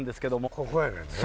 ここやねんね。